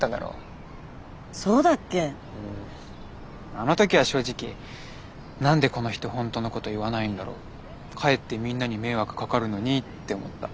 あの時は正直何でこの人本当のこと言わないんだろかえってみんなに迷惑かかるのにって思った。